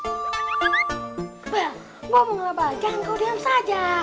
bal ngomonglah bal jangan kau diam saja